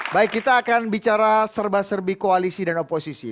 baik kita akan bicara serba serbi koalisi dan oposisi